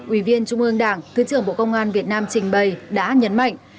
ủy viên trung ương đảng thứ trưởng bộ công an việt nam trình bày đã nhấn mạnh